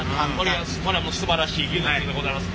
これはすばらしい技術でございます。